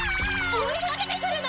追いかけてくるの！？